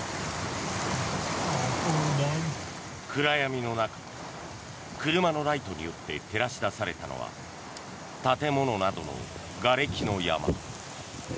暗闇の中、車のライトによって照らし出されたのは建物などのがれきの山。